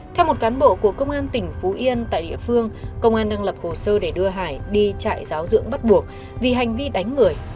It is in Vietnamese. theo một cán bộ của công an tỉnh phú yên tại địa phương công an đang lập hồ sơ để đưa hải đi trại giáo dưỡng bắt buộc vì hành vi đánh người